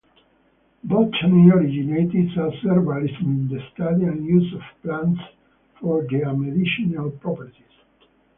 Botany originated as herbalism, the study and use of plants for their medicinal properties.